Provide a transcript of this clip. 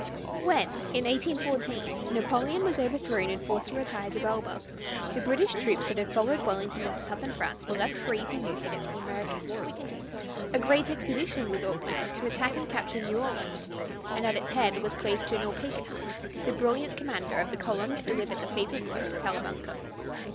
When, in 1814, Napoleon was overthrown and forced to retire to Elba, the British troops that had followed Wellington into southern France were left free for use against the Americans. A great expedition was organized to attack and capture New Orleans, and at its head was placed General Pakenham, the brilliant commander of the column that delivered the fatal blow at Salamanca.